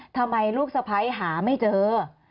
๒ทำไมลูกสะพ้ายหาไม่เจอใช่ไหมคะ